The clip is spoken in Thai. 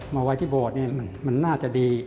มาไว้ที่โบสถ์เนี่ยมันน่าจะดี